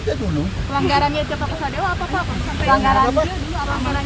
pelanggarannya itu pak pasadewa apa pak